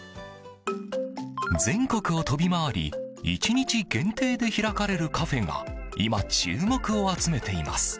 全国を飛び回り１日限定で開かれるカフェが今、注目を集めています。